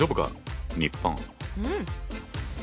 うん。